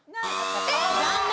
残念。